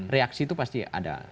reaksi itu pasti ada